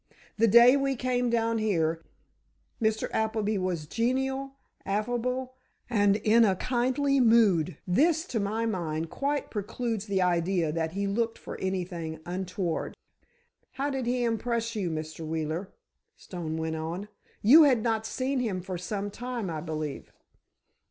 The day we came down here, Mr. Appleby was genial, affable and in a kindly mood. This, to my mind, quite precludes the idea that he looked for anything untoward." "How did he impress you, Mr. Wheeler?" Stone went on. "You had not seen him for some time, I believe."